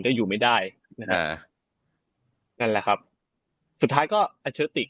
อยู่ไม่ได้อ่านั่นแหละครับสุดท้ายก็อัลเชอร์ติก